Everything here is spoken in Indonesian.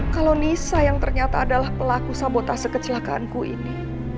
kalau nisa yang ternyata adalah pelaku sabotase kecelakaanku ini